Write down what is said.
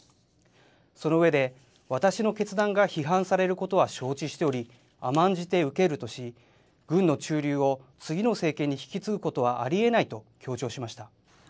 その上で、私の決断が批判されることは承知しており、甘んじて受けるとし、軍の駐留を次の政権に引き継ぐことはありえないと強調しました。